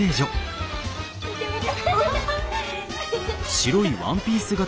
見て見て！